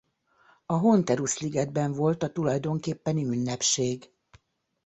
A Honterus-ligetben volt a tulajdonképpeni ünnepség.